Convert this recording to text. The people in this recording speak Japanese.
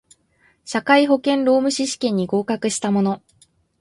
社会保険労務士試験に合格した者